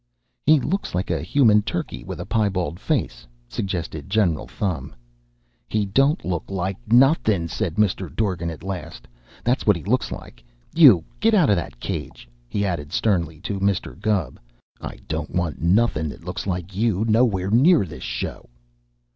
"He looks like a human turkey with a piebald face," suggested General Thumb. "He don't look like nothin'!" said Mr. Dorgan at last. "That's what he looks like. You get out of that cage!" he added sternly to Mr. Gubb. "I don't want nothin' that looks like you nowhere near this show."